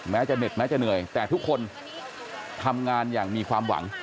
จะเด็ดแม้จะเหนื่อยแต่ทุกคนทำงานอย่างมีความหวัง